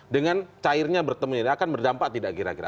dengan cairnya bertemu ini akan berdampak tidak kira kira